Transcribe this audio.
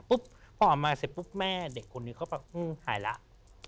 พอออกมาเสร็จก็พั่งแม่เด็กคนนั้นหายแล้ว